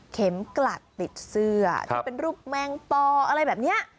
กลัดติดเสื้อที่เป็นรูปแมงปออะไรแบบนี้